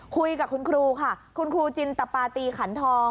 คุยกับคุณครูค่ะคุณครูจินตปาตีขันทอง